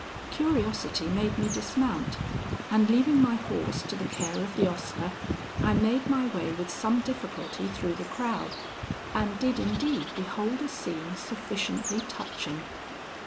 Curiosity made me dismount; and leaving my horse to the care of the ostler, I made my way with some difficulty through the crowd, and did indeed behold a scene sufficiently touching.